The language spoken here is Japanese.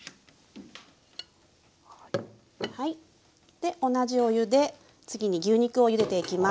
で同じお湯で次に牛肉をゆでていきます。